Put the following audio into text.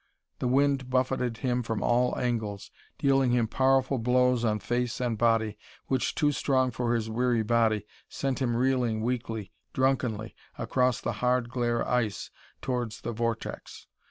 The wind buffetted him from all angles, dealing him powerful blows on face and body, which, too strong for his weary body, sent him reeling weakly, drunkenly across the hard, glare ice towards the vortex.